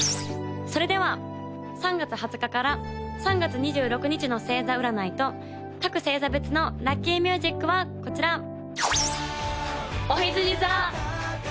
それでは３月２０日から３月２６日の星座占いと各星座別のラッキーミュージックはこちら！